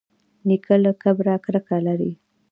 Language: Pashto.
نیکه له کبره کرکه لري.